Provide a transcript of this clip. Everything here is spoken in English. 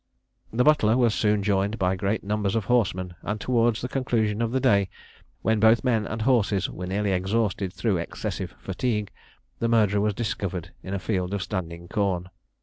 The butler was soon joined by great numbers of horsemen; and towards the conclusion of the day, when both men and horses were nearly exhausted through excessive fatigue, the murderer was discovered in a field of standing corn.